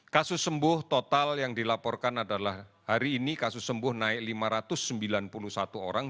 kasus sembuh total yang dilaporkan adalah hari ini kasus sembuh naik lima ratus sembilan puluh satu orang